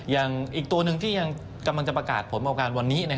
อย่างอีกตัวหนึ่งที่ยังกำลังจะประกาศผลเอาการวันนี้